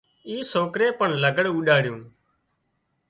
اي سوڪري پڻ لگھڙ اوڏاڙيون